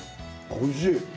おいしい。